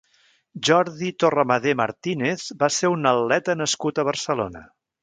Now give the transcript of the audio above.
Jordi Torremadé Martínez va ser un atleta nascut a Barcelona.